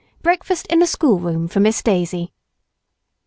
Breakfast in the schoolroom for Miss Daisy."